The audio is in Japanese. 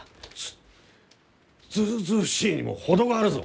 ずずうずうしいにも程があるぞ！